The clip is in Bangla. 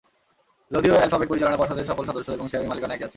যদিও অ্যালফাবেট পরিচালনা পর্ষদের সকল সদস্য এবং শেয়ারের মালিকানা একই আছে।